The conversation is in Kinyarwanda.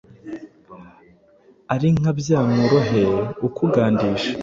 Ari "Nkabyankurohe "ukugandisha !